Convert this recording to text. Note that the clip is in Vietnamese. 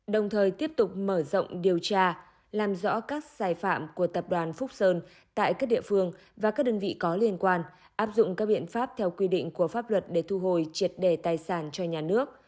đồng thời tiếp tục mở rộng điều tra làm rõ các sai phạm của tập đoàn phúc sơn tại các địa phương và các đơn vị có liên quan áp dụng các biện pháp theo quy định của pháp luật để thu hồi triệt đề tài sản cho nhà nước